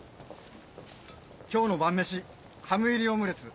今日の晩メシハム入りオムレツ。